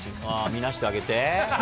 見なしてあげて。